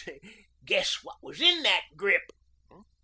Guess what was in that grip."